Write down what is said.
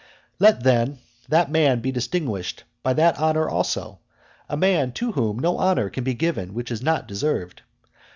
Let, then, that man be distinguished by that honour also, a man to whom no honour can be given which is not deserved.